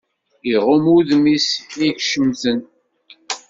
Iɣumm udem-is i icemten